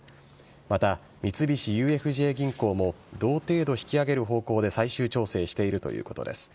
また、三菱ＵＦＪ銀行も同程度引き上げる方向で最終調整しているということです。